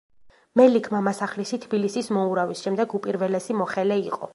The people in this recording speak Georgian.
მელიქ-მამასახლისი თბილისის მოურავის შემდეგ უპირველესი მოხელე იყო.